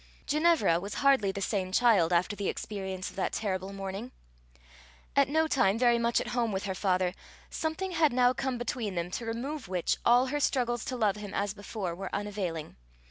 Ginevra was hardly the same child after the experience of that terrible morning. At no time very much at home with her father, something had now come between them, to remove which all her struggles to love him as before were unavailing.